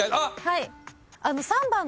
はい。